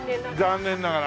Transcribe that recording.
残念ながら。